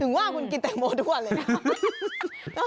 ถึงว่าคุณกินแตงโมด้วยเลยนะ